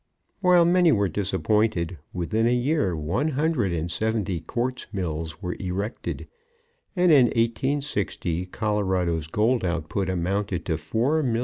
While many were disappointed, within a year one hundred and seventy quartz mills were erected, and in 1860 Colorado's gold output amounted to $4,000,000.